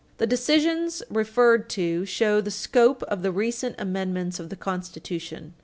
The decisions referred to show the scope of the recent amendments of the Constitution.